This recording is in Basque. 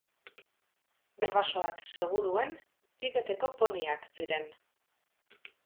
Bere arbasoak, seguruen, Tibeteko poniak ziren.